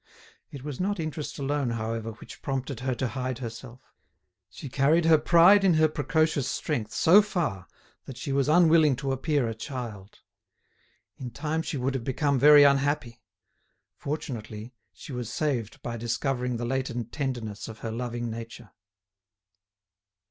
It was not interest alone, however, which prompted her to hide herself; she carried her pride in her precocious strength so far that she was unwilling to appear a child. In time she would have become very unhappy. Fortunately she was saved by discovering the latent tenderness of her loving nature.